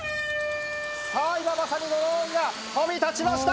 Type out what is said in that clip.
さぁ今まさにドローンが飛び立ちました。